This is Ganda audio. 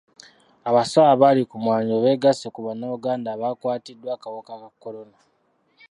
Abasawo abali ku mwanjo beegasse ku bannayuganda abakwatiddwa akawuka ka kolona..